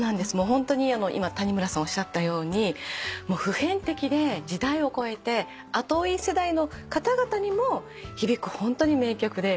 ホントに今谷村さんおっしゃったように普遍的で時代を超えて後追い世代の方々にも響くホントに名曲で。